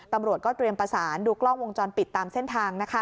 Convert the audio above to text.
ตำรวจก็เตรียมประสานดูกล้องวงจรปิดตามเส้นทาง